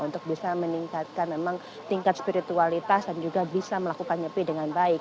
untuk bisa meningkatkan memang tingkat spiritualitas dan juga bisa melakukan nyepi dengan baik